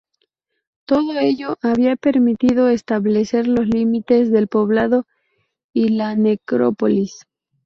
Todo ello ha permitido establecer los límites del poblado y la necrópolis.